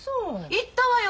言ったわよ